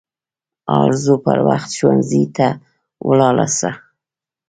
ارزو پر وخت ښوونځي ته ولاړه سه